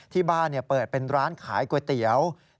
ที่บ้านเปิดเป็นร้านขายก๋วยเตี๋ยว